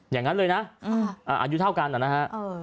อย่างงั้นเลยนะอ่าอายุเท่ากันเหรอนะฮะเออ